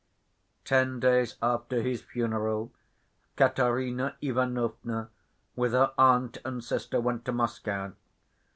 Ten days after his funeral, Katerina Ivanovna, with her aunt and sister, went to Moscow.